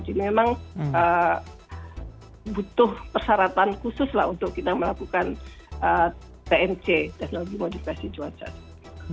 jadi memang butuh persyaratan khusus untuk kita melakukan pmc